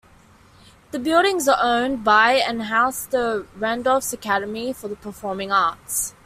The buildings are owned by and house the Randolph Academy for the Performing Arts.